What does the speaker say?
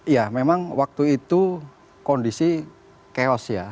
ya memang waktu itu kondisi chaos ya